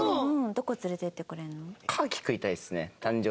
どこ連れて行ってくれるの？